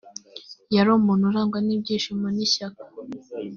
yari umuntu urangwa n ibyishimo n ishyaka